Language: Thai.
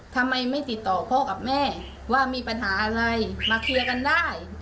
ทำไมไม่ติดต่อพ่อกับแม่ว่ามีปัญหาอะไรมาเคลียร์กันได้